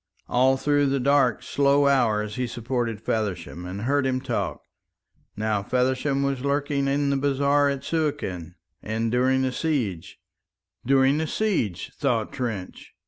All through the dark slow hours he supported Feversham and heard him talk. Now Feversham was lurking in the bazaar at Suakin and during the siege. "During the siege," thought Trench.